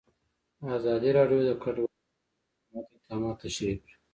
ازادي راډیو د کډوال په اړه د حکومت اقدامات تشریح کړي.